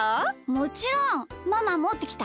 もちろん！ママもってきた？